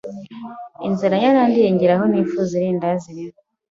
inzara yarandiye ngera aho nifuza irindazi rimwe,